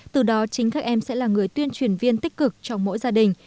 từ đó chính các em sẽ là người tuyên truyền viên tích cực trong mỗi gia đình